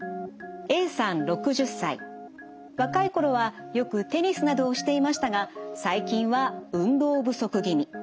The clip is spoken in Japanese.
若い頃はよくテニスなどをしていましたが最近は運動不足気味。